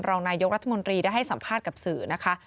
รองนายกรัฐมนตรีได้ให้สัมภาษณ์กับสื่อนะคะ